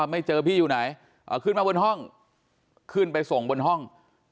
ไม่เจอพี่อยู่ไหนขึ้นมาบนห้องขึ้นไปส่งบนห้อง